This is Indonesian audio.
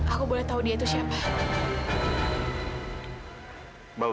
aku boleh tahu dia itu siapa